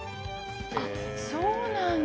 あそうなんだ。